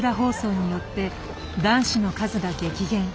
疱瘡によって男子の数が激減。